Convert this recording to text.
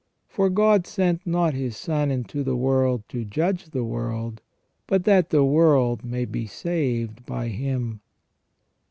For God sent not His Son into the world to judge the world, but that the world may be saved by Him."